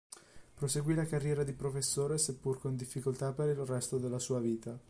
Proseguì la carriera di professore, seppur con difficoltà, per il resto della sua vita.